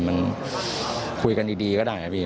มันคุยกันดีก็ได้ครับพี่